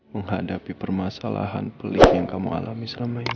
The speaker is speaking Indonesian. menghadapi permasalahan pelik yang kamu alami selama ini